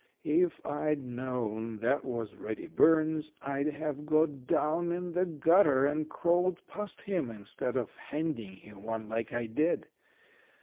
If I'd known that was Reddy Burns, I'd have got down in the gutter and crawled past him instead of handing him one like I did.